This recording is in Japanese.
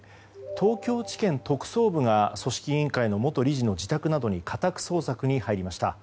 東京地検特捜部が組織委員会の元理事の自宅などに家宅捜索に入りました。